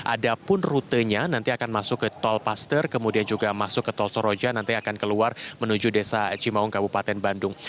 ada pun rutenya nanti akan masuk ke tol paster kemudian juga masuk ke tol soroja nanti akan keluar menuju desa cimaung kabupaten bandung